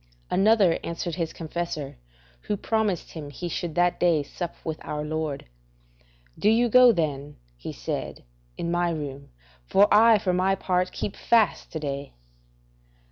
Another answered his confessor, who promised him he should that day sup with our Lord, "Do you go then," said he, "in my room [place]; for I for my part keep fast to day."